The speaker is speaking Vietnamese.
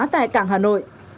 tại cảng hà nội